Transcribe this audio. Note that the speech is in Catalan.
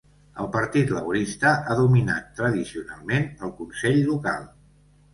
El Partit Laborista ha dominat tradicionalment el consell local.